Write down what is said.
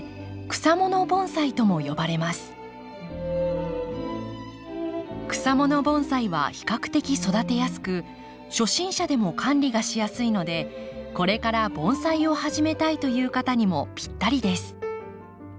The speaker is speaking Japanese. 草もの盆栽は比較的育てやすく初心者でも管理がしやすいのでこれから盆栽を始めたいという方にもぴったりです。